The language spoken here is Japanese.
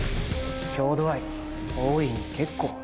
郷土愛とは大いに結構。